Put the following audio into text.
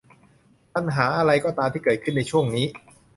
ปัญหาอะไรก็ตามที่เกิดขึ้นในช่วงนี้